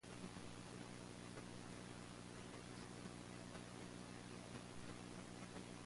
The result is often used in combination with the uniform limit theorem.